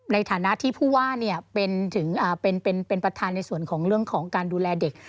ในฐานะที่ผู้ว่าเป็นประธานในส่วนของเรื่องของการดูแลเด็ก